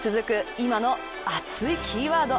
今の熱いキーワード。